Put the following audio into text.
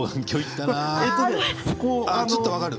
ちょっと分かる。